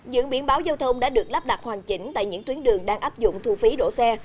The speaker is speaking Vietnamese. những biển báo giao thông đã được lắp đặt hoàn chỉnh tại những tuyến đường đang áp dụng thu phí đổ xe